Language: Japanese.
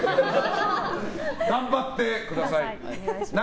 頑張ってください。